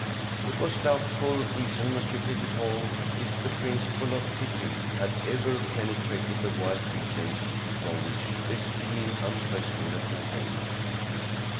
It was doubtful, reasoned Monsieur Pettipon, if the principle of tipping had ever penetrated the wild regions from which this being unquestionably hailed.